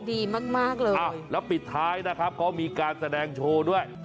ดีมากมากเลยแล้วปิดท้ายนะครับเขามีการแสดงโชว์ด้วย